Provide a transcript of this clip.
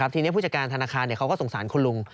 ทีนี้ผู้จัดการธนาคารเขาก็สงสารคุณลุง